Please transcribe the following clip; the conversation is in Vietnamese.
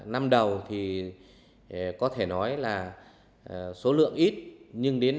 năm đầu thì có rất nhiều khách đến dự lễ hội hoa anh đào mai vàng yên tử ngày càng tăng